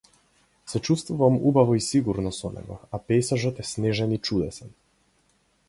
Се чувствувам убаво и сигурно со него, а пејзажот е снежен и чудесен.